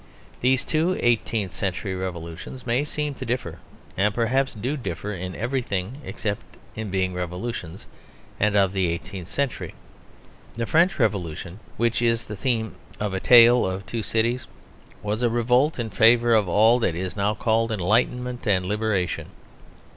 These two eighteenth century revolutions may seem to differ, and perhaps do differ in everything except in being revolutions and of the eighteenth century. The French Revolution, which is the theme of A Tale of Two Cities, was a revolt in favour of all that is now called enlightenment and liberation.